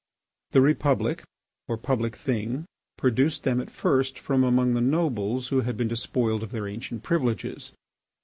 The Republic or Public Thing produced them at first from among the nobles who had been despoiled of their ancient privileges.